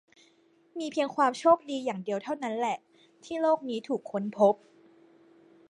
มีเพียงความโชคดีอย่างเดียวเท่านั้นแหละ ที่โลกนี้ถูกค้นพบ